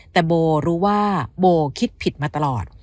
แต่โบรู้ว่าโบคิดผิดมาตลอด